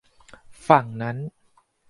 ฝั่งนั้น